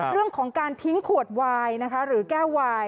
เรื่องของการทิ้งขวดวายนะคะหรือแก้ววาย